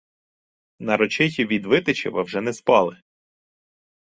Нарочиті від Витичева вже не спали.